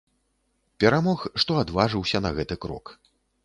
Перамог, што адважыўся на гэты крок.